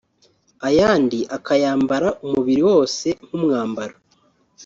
ayandi akayambara umubiri wose nk’umwambaro